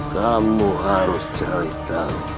kamu harus ceritamu